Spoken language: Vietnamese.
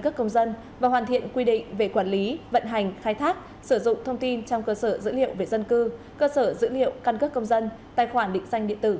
cơ sở dữ liệu căng cấp công dân và hoàn thiện quy định về quản lý vận hành khai thác sử dụng thông tin trong cơ sở dữ liệu về dân cư cơ sở dữ liệu căng cấp công dân tài khoản định danh điện tử